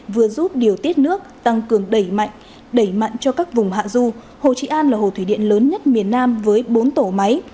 vừa giúp điều tiết nước tăng cường đẩy mạnh đẩy mặn cho các vùng hạ du hồ trị an là hồ thủy điện lớn nhất miền nam với bốn tổ máy